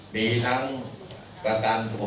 มีทางการการสุขภาพ